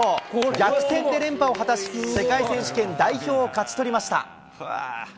逆転で連覇を果たし、世界選手権代表を勝ち取りました。